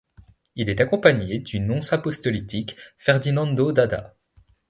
Il est accompagné du nonce apostolique Ferdinando d'Adda.